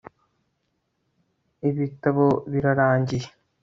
ibitabo birarangiye